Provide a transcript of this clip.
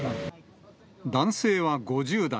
男性は５０代。